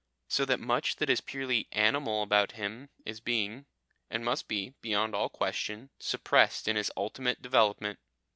So that much that is purely 'animal' about him is being, and must be, beyond all question, suppressed in his ultimate development.